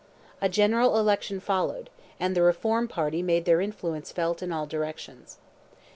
A general election followed, and the reform party made their influence felt in all directions.